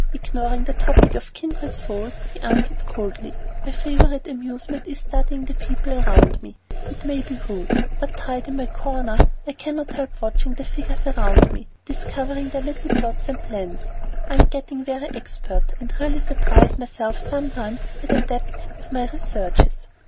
Ignoring the topic of "kindred souls," he answered coldly, "My favorite amusement is studying the people around me. It may be rude, but tied to my corner, I cannot help watching the figures around me, and discovering their little plots and plans. I'm getting very expert, and really surprise myself sometimes by the depth of my researches."